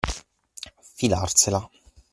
Filarsela.